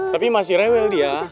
tapi masih rewel dia